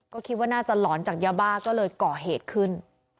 ก็คิดว่าน่าจะหลอนจากยาบ้าก็เลยก่อเหตุขึ้น